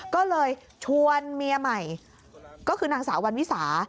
ก็เลยชวนเมียใหม่ก็คือนางสาววันวิสา